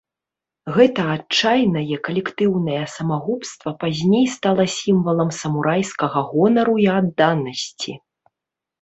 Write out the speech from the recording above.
Гэтае адчайнае калектыўнае самагубства пазней стала сімвалам самурайскага гонару і адданасці.